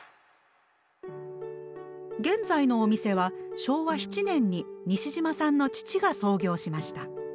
現在のお店は昭和７年に西島さんの父が創業しました。